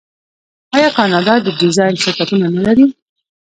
آیا کاناډا د ډیزاین شرکتونه نلري؟